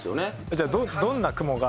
じゃあどんな雲が？